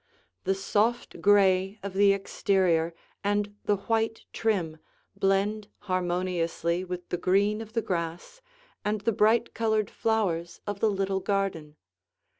The soft gray of the exterior and the white trim blend harmoniously with the green of the grass and the bright colored flowers of the little garden.